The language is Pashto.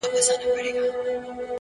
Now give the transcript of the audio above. هوډ د نامعلومو لارو څراغ دی،